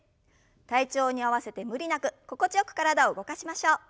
体調に合わせて無理なく心地よく体を動かしましょう。